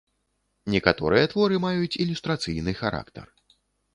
Некаторыя творы маюць ілюстрацыйны характар.